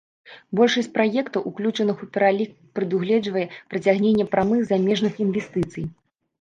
Большасць праектаў, уключаных у пералік, прадугледжвае прыцягненне прамых замежных інвестыцый.